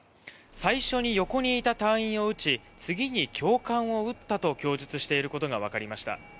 最初に横にいた隊員を撃ち次に教官を撃ったと供述していることが分かりました。